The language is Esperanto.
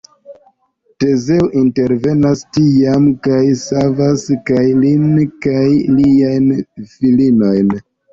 Tezeo intervenas tiam kaj savas kaj lin kaj liajn filinojn.